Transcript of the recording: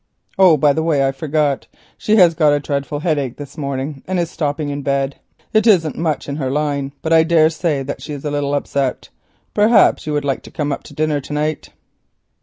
Oh, by the way, I forgot, she has got a headache this morning, and is stopping in bed. It isn't much in her line, but I daresay that she is a little upset. Perhaps you would like to come up to dinner to night?"